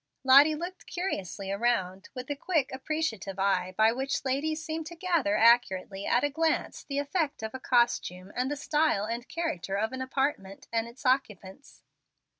Lottie looked curiously around, with the quick, appreciative eye by which ladies seem to gather accurately at a glance the effect of a costume and the style and character of an apartment and its occupants.